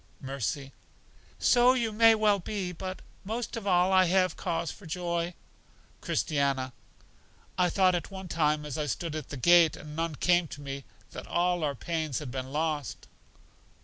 Mercy: So you may well be; but most of all have I cause for joy. Christiana: I thought at one time as I stood at the gate, and none came to me, that all our pains had been lost.